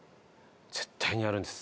絶対にあるんです。